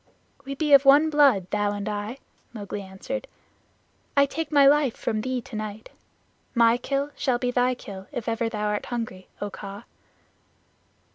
"We be one blood, thou and I," Mowgli answered. "I take my life from thee tonight. My kill shall be thy kill if ever thou art hungry, O Kaa."